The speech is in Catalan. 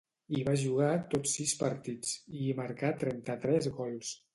Hi va jugar tots sis partits, i hi marcà trenta-tres gols.